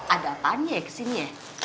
ada apaan ya kesini ya